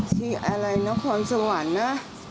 ที่อะไรนครสวรรค์นะ